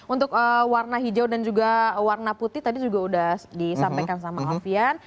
untuk warna hijau dan juga warna putih tadi juga sudah disampaikan sama alfian